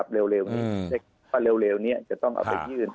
เร็วนี้จะต้องเอาไปยื่น